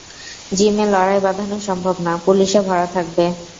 জিমে লড়াই বাঁধানো সম্ভব না, পুলিশে ভরা থাকবে!